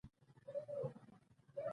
هغه د امویانو د خلافت پر مهال مسلمان شوی.